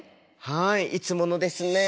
はいいつものですね。